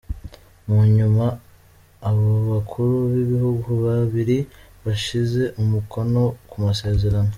Mu nyuma abo bakuru b'ibihugu babiri bashize umukono ku masezerano.